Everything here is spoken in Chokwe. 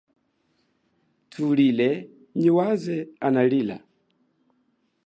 Thulile nyi waze analila.